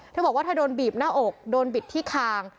เธอบอกว่าเธอโดนบีบหน้าอกโดนบิดที่คาง